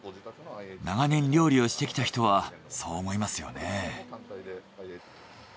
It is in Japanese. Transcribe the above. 長年料理をしてきた人はそう思いますよね。